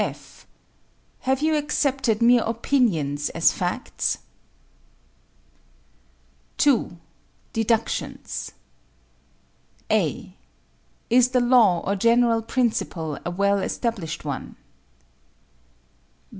(f) Have you accepted mere opinions as facts? 2. Deductions (a) Is the law or general principle a well established one?